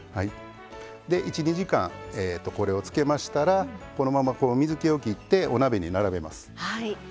１２時間これをつけましたらこのまま水けをきってお鍋に並べます。